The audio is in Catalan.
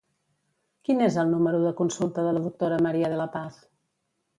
Quin és el número de consulta de la doctora Maria de la Paz?